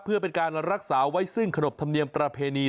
เพื่อเป็นการรักษาไว้ซึ่งขนบธรรมเนียมประเพณี